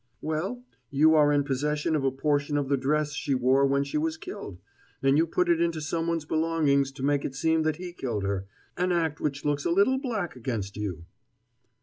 "Well, you are in possession of a portion of the dress she wore when she was killed, and you put it into someone's belongings to make it seem that he killed her, an act which looks a little black against you."